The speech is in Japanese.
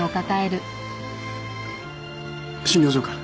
診療所か？